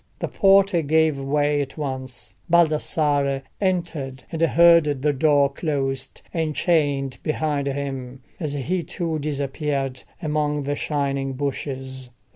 The porter gave way at once, Baldassarre entered, and heard the door closed and chained behind him, as he too disappeared among the shining bushes.